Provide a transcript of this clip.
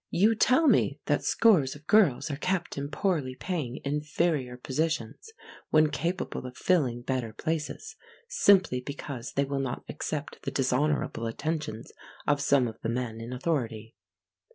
You tell me that scores of girls are kept in poorly paying, inferior positions when capable of filling better places, simply because they will not accept the dishonourable attentions of some of the men in authority.